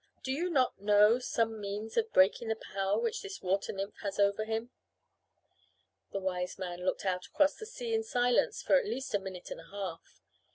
Do you not know some means of breaking the power which this water nymph has over him?" The Wiseman looked out across the sea in silence for at least a minute and a half.